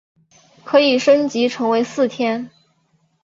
可以升级成为四天。